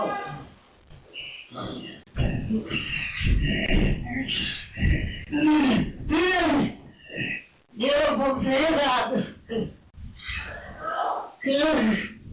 มีเที่ยวร้อนก่อน